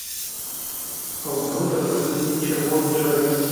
А у грудях росли ті червоні жарини.